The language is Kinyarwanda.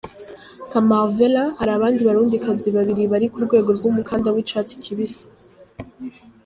Nka Marvella, hari abandi barundikazi babiri bari ku rwego rw'umukanda w'icatsi kibisi.